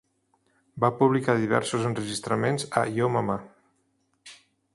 Va publicar diversos enregistraments a Yo Mama.